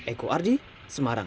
eko ardi semarang